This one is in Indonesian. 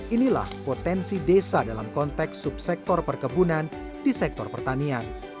inilah potensi desa dalam konteks subsektor perkebunan di sektor pertanian